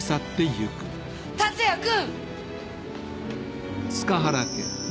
達也君！